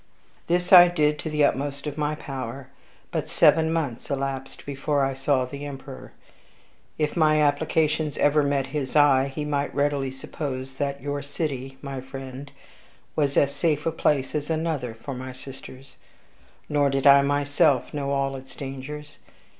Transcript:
This I did, to the utmost of my power. But seven months elapsed before I saw the emperor. If my applications ever met his eye he might readily suppose that your city, my friend, was as safe a place as another for my sisters. Nor did I myself know all its dangers.